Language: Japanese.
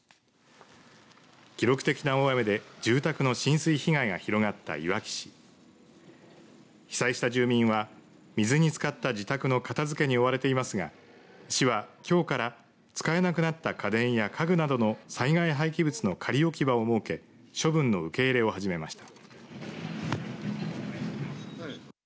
記録的な大雨で住宅の浸水被害が広がったいわき市被災した住民は水につかった自宅の片づけに追われていますが市はきょうから使えなくなった家電や家具などの災害廃棄物の仮置き場を設け処分の受け入れを始めました。